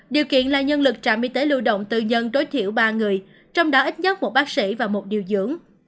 điều kiện là nhân lực trạm y tế lưu động tư nhân tối thiểu ba người trong đó ít nhất một bác sĩ và một điều dưỡng